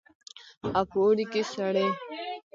او په اوړي کښې سړې.